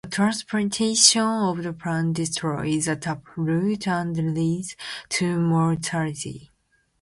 A transplantation of the plant destroys the taproot and leads to mortality.